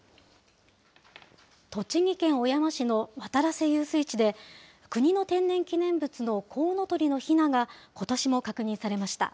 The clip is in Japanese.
栃木県小山市の渡良瀬遊水地で、国の天然記念物のコウノトリのひなが、ことしも確認されました。